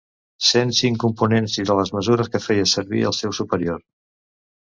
Cent cinc components i de les mesures que feia servir el seu superior.